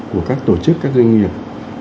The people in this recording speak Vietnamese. của các tổ chức các doanh nghiệp